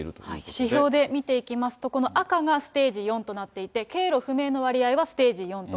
指標で見ていきますと、この赤がステージ４となっていて、経路不明の割合はステージ４と。